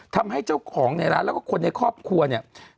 ทำให้เจ้าของในร้านแล้วก็คนในครอบครัวเนี่ย